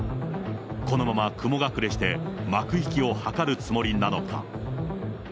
このまま雲隠れして、幕引きを図るつもりなのか。